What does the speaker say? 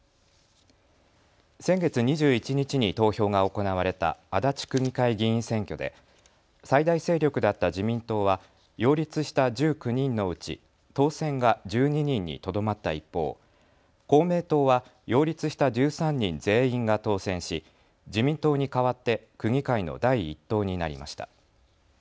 先月２１日に投票が行われた足立区議会議員選挙で最大勢力だった自民党は擁立した１９人のうち当選が１２人にとどまった一方、公明党は擁立した１３人全員が当選し自民党に代わって区議会の第１党になりました。